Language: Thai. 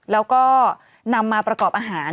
แล้วก็นำมาประกอบอาหาร